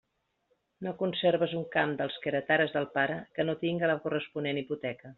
No conserves un camp dels que heretares del pare que no tinga la corresponent hipoteca.